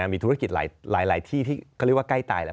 มีธุรกิจหลายที่ที่เขาเรียกว่าใกล้ตายแล้ว